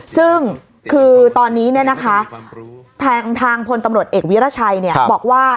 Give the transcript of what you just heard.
ซึ่งคือตอนนี้ทางพลตำรวจเอกวิรชัยบอกว่า